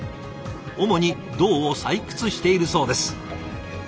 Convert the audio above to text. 主に銅を採掘しているそうです。